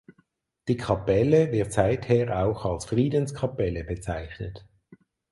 Die Kapelle wird seither auch als Friedenskapelle bezeichnet.